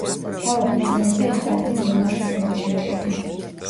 თავად ვიცე-მეფე ესპანეთის მონარქს ემორჩილებოდა.